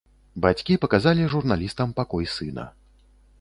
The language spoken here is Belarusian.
Бацькі паказалі журналістам пакой сына.